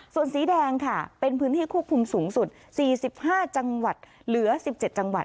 ส่วนสีแดงค่ะเป็นพื้นที่ควบคุมสูงสุด๔๕จังหวัดเหลือ๑๗จังหวัด